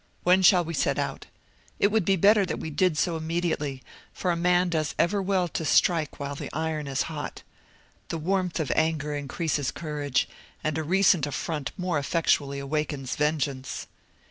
When shall we set out? It would be better that we did so immediately, for a man does ever well to strike while the iron is hot. The warmth of anger increases courage, and a recent affront more effectually awakens vengeance."